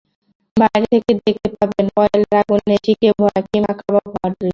বাইরে থেকে দেখতে পাবেন কয়লার আগুনে শিকে ভরা কিমা কাবাব হওয়ার দৃশ্য।